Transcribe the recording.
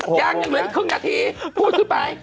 โอ้โฮยังเหมือนครึ่งนาทีพูดสุดไป